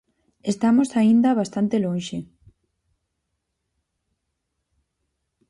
Estamos aínda bastante lonxe.